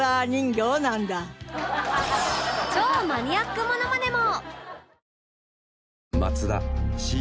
超マニアックモノマネも！